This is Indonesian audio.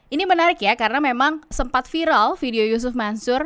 ini menarik ya karena memang sempat viral video yusuf mansur